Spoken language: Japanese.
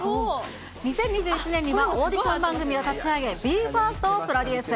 ２０２１年には、オーディション番組を立ち上げ、ＢＥ：ＦＩＲＳＴをプロデュース。